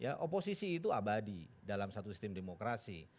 ya oposisi itu abadi dalam satu sistem demokrasi